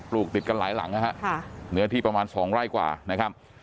ลูกติดกันหลายหลังนะฮะเนื้อที่ประมาณ๒ไร่กว่านะครับ